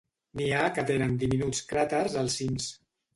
N'hi ha que tenen diminuts cràters als cims.